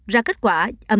ra kết quả